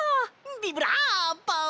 ビブラーボ！